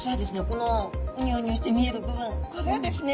このウニョウニョして見える部分これはですね